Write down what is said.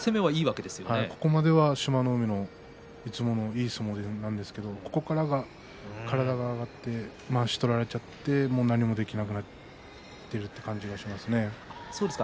ここまでは志摩ノ海いい攻めなんですけれどもそこから体が上がってまわしを取られちゃってもう何もできなくなっているという感じですね。